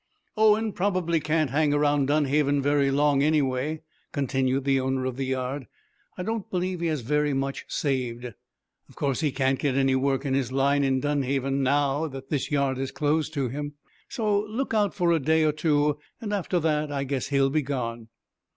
"Owen probably can't hang around Dunhaven very long, anyway," continued the owner of the yard. "I don't believe he has very much saved. Of course, he can't get any work in his line in Dunhaven, now that this yard is closed to him. So look out for a day or two, and, after that, I guess he'll be gone."